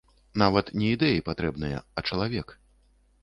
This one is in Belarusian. Нават не ідэі патрэбныя, а чалавек.